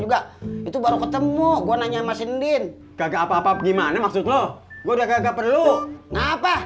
juga itu baru ketemu gua nanya mas indin kagak apa apa gimana maksud lo udah gak perlu ngapa